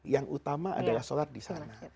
yang utama adalah sholat disana